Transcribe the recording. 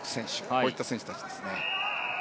こういった選手たちですね。